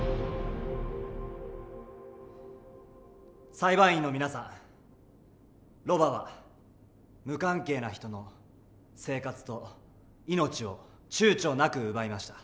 裁判員の皆さんロバは無関係な人の生活と命をちゅうちょなく奪いました。